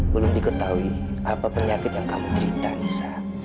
belum diketahui apa penyakit yang kamu terima nissa